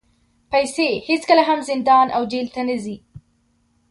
پیسې هېڅکله هم زندان او جېل ته نه ځي.